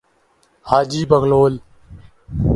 حاجی بغلول